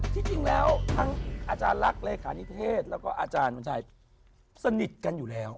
ที่จริงแล้วทั้งอาจารย์ลักษณ์เลขานิเทศแล้วก็อาจารย์วันชัยสนิทกันอยู่แล้ว